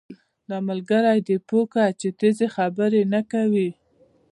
دا ملګری دې پوهه کړه چې تېزي خبرې نه کوي